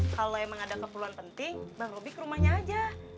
kalau emang ada keperluan penting bang roby ke rumahnya aja